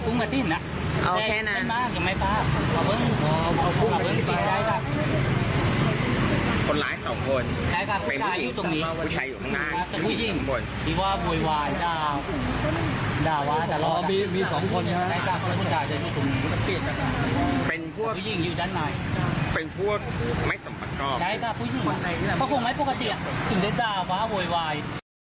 เป็นพวกไม่สมัครกรอบใครก็ผู้หญิงอ่ะเขาคงไม่ปกติถึงจะด่าว้าโวยวาย